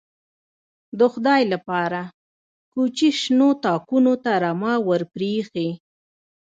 _د خدای له پاره، کوچي شنو تاکونو ته رمه ور پرې اېښې.